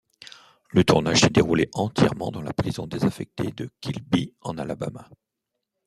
Le tournage s'est déroulé entièrement dans la prison désaffectée de Kilby en Alabama.